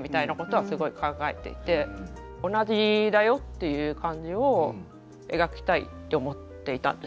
みたいなことはすごい考えていて同じだよっていう感じを描きたいって思っていたんです。